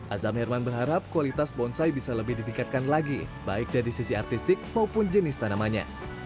azam herman berharap kualitas bonsai bisa lebih ditingkatkan lagi baik dari sisi artistik maupun jenis tanamannya